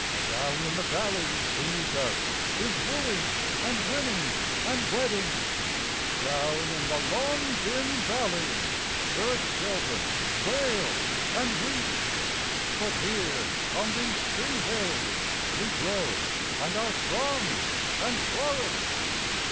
66 Down in the valleys beneath us is wooing and winning and wedding, Down in the long, dim valleys earth children wail and weep; But here on these free hills we grow and are strong and flourish.